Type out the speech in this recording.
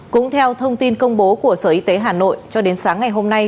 cũng theo thông tin công bố của sở y tế hà nội cho đến sáng ngày hôm nay